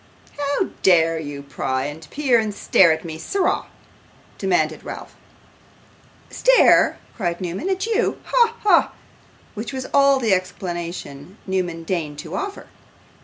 'How dare you pry, and peer, and stare at me, sirrah?' demanded Ralph. 'Stare!' cried Newman, 'at YOU! Ha, ha!' which was all the explanation Newman deigned to offer.